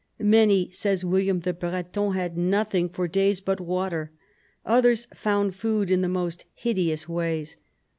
Many, says William the Breton, had nothing for days but water; others found food in the most hideous ways.